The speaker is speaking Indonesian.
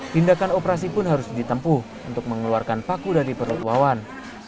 tindakan operasi pun harus ditempuh untuk mengeluarkan paku dari perut wawan